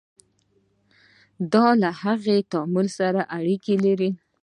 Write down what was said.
دا له هغې تعامل سره اړیکه لري.